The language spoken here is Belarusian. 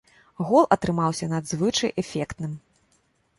Гол атрымаўся надзвычай эфектным!